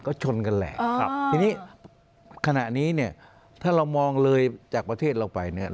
ก็ชนกันแหละทีนี้ขณะนี้ถ้าเรามองเลยจากประเทศเราไป